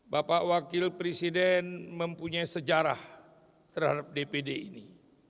bapak wakil presiden mempunyai sejarah terhadap dpd ini